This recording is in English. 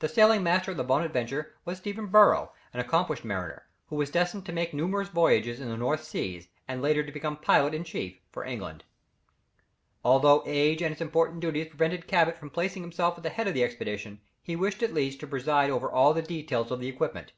The sailing master of the Bonaventure was Stephen Burrough, an accomplished mariner, who was destined to make numerous voyages in the North seas, and later to become pilot in chief for England. Although age and his important duties prevented Cabot from placing himself at the head of the expedition, he wished at least, to preside over all the details of the equipment.